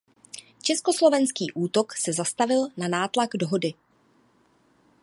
Československý útok se zastavil na nátlak Dohody.